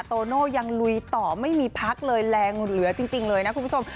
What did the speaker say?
โตโน่ยังลุยต่อไม่มีพักเลยแรงเหลือจริงเลยนะคุณผู้ชม